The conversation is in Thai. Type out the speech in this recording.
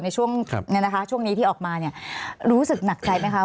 ในช่วงช่วงนี้ที่ออกมารู้สึกหนักใจไหมคะ